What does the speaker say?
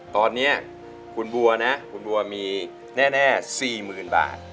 ตอนนี้คุณบัวนะคุณบัวมีแน่๔๐๐๐บาท